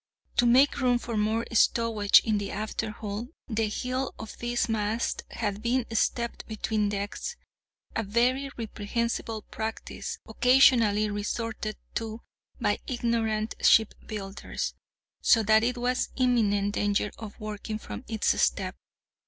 To make room for more stowage in the afterhold, the heel of this mast had been stepped between decks (a very reprehensible practice, occasionally resorted to by ignorant ship builders), so that it was in imminent danger of working from its step.